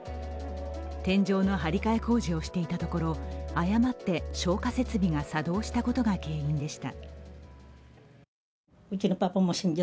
天井の張り替え工事をしていたところ誤って消火設備が作動したことが原因でした。